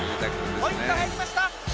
ポイント入りました！